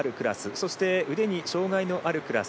そして、腕に障がいのあるクラス。